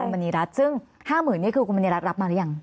กรุงบรรณีรัฐซึ่ง๕๐๐๐๐บาทคือกรุงบรรณีรัฐรับมาหรือยัง